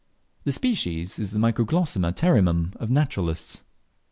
The species is the Microglossum aterrimum of naturalists.